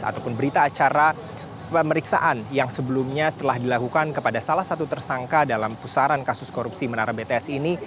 ataupun berita acara pemeriksaan yang sebelumnya telah dilakukan kepada salah satu tersangka dalam pusaran kasus korupsi menara bts ini